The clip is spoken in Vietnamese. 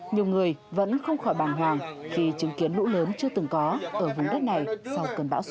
nhiều người vẫn không khỏi bàng hoàng khi chứng kiến lũ lớn chưa từng có ở vùng đất này sau cơn bão số năm